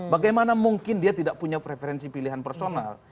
bagaimana mungkin dia tidak punya preferensi pilihan personal